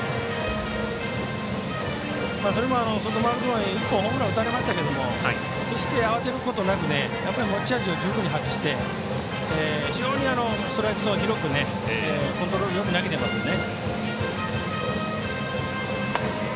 外丸君は１本ホームラン打たれましたけど決して慌てることなく、持ち味を十分に発揮して非常にストライクゾーン広くコントロールよく投げていますね。